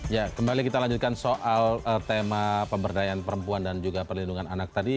ya kembali kita lanjutkan soal tema pemberdayaan perempuan dan juga perlindungan anak tadi